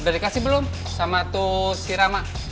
sudah dikasih belum sama itu si ramak